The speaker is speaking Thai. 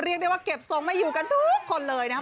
เรียกได้ว่าเก็บทรงไม่อยู่กันทุกคนเลยนะครับ